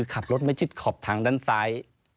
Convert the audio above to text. ขับรถไม่ชิดขอบทางด้านซ้าย